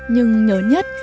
nhưng nhớ nhất